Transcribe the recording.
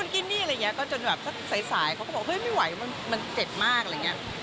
ก็จนแบบสักสายสายเค้าก็บอกว่าเฮ้ยไม่ไหวแต่มันเจ็ดมากอะไรอย่างเงี้ย